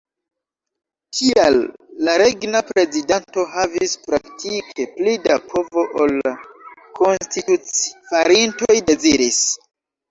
Tial la regna prezidanto havis praktike pli da povo ol la konstituci-farintoj deziris.